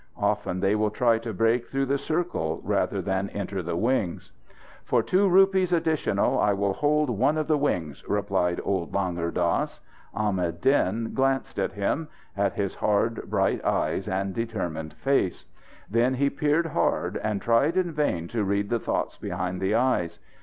Often they will try to break through the circle rather than enter the wings. "For two rupees additional I will hold one of the wings," replied old Langur Dass. Ahmad Din glanced at him at his hard, bright eyes and determined face. Then he peered hard, and tried in vain to read the thoughts behind the eyes.